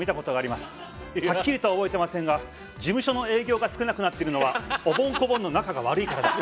はっきりとは覚えてませんが「事務所の営業が少なくなってるのはおぼん・こぼんの仲が悪いからだ」。